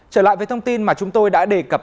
trở lại với thông tin mà chúng tôi đã đề cập